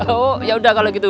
oh ya udah kalau gitu